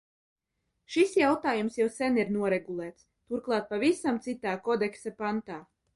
Šis jautājums jau sen ir noregulēts, turklāt pavisam citā kodeksa pantā.